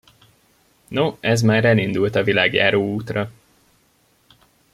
No, ez már elindult a világjáró útra!